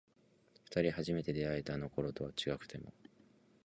二人初めて出会えたあの頃とは違くても